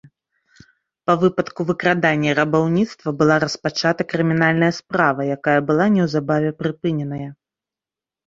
Па выпадку выкрадання і рабаўніцтва была распачата крымінальная справа, якая была неўзабаве прыпыненая.